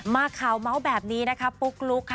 ข่าวเมาส์แบบนี้นะคะปุ๊กลุ๊กค่ะ